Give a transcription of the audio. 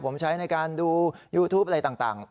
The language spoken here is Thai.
ผมใช้ในการดูยูทูปอะไรต่าง